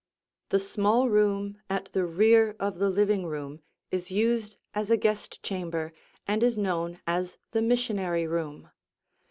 The small room at the rear of the living room is used as a guest chamber and is known as the missionary room.